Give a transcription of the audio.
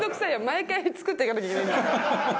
毎回作っていかなきゃいけない。